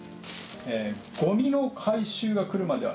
「ごみの回収が来るまでは」